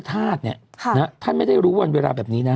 ถึงไหนละ